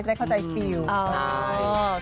จะได้เข้าใจความรู้สึก